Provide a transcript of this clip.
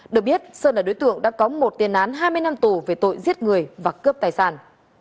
được biết sơn là đối tượng đã có một tiền án hai mươi năm tù về tội giết người và cướp tài sản